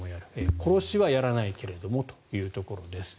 殺しはやらないけれどもというところです。